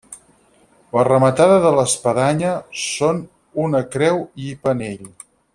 La rematada de l'espadanya són una creu i penell.